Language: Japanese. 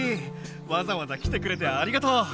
わざわざ来てくれてありがとう。